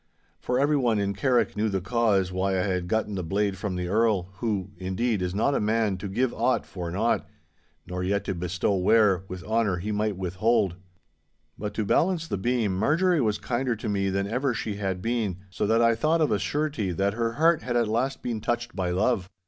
For everyone in Carrick knew the cause why I had gotten the blade from the Earl, who, indeed, is not a man to give aught for naught, nor yet to bestow where, with honour, he might withhold. But to balance the beam, Marjorie was kinder to me than ever she had been, so that I thought of a surety that her heart had at last been touched by love.